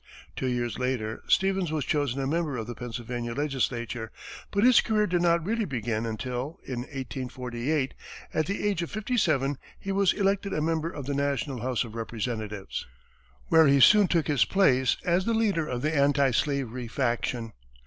Two years later, Stevens was chosen a member of the Pennsylvania legislature, but his career did not really begin until, in 1848, at the age of fifty seven, he was elected a member of the national House of Representatives, where he soon took his place as the leader of the anti slavery faction.